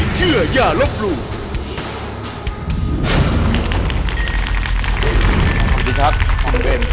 สวัสดีครับคุณเบน